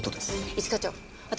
一課長私